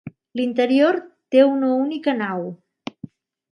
L'interior té una única nau.